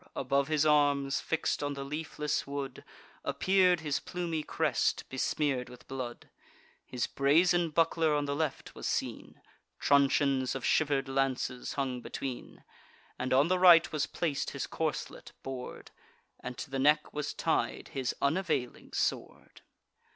Above his arms, fix'd on the leafless wood, Appear'd his plumy crest, besmear'd with blood: His brazen buckler on the left was seen; Truncheons of shiver'd lances hung between; And on the right was placed his corslet, bor'd; And to the neck was tied his unavailing sword.